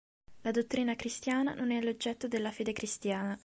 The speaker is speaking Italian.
La dottrina cristiana non è l'oggetto della fede cristiana.